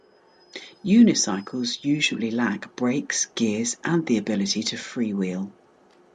Unicycles usually lack brakes, gears, and the ability to freewheel.